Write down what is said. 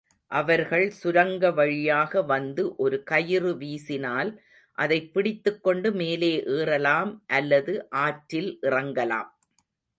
அவர்கள் சுரங்க வழியாக வந்து ஒரு கயிறு வீசினால் அதைப் பிடித்துக்கொண்டு மேலே ஏறலாம் அல்லது ஆற்றில் இறங்கலாம்.